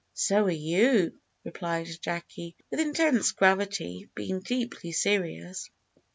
"So are you," replied Jacky, with intense gravity, being deeply serious.